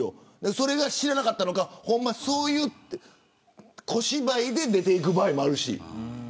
それを知らなかったのかほんまに、そういう小芝居で出て行く場合もあるし。